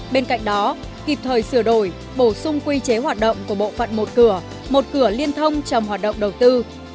bên cạnh đó kịp thời sửa đổi bổ sung quy chế hoạt động của bộ phận một cửa một cửa liên thông trong hoạt động đầu tư